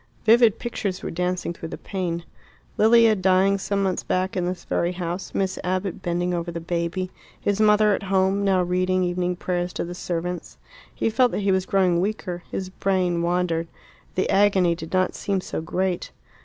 Vivid pictures were dancing through the pain Lilia dying some months back in this very house, Miss Abbott bending over the baby, his mother at home, now reading evening prayers to the servants. He felt that he was growing weaker; his brain wandered; the agony did not seem so great.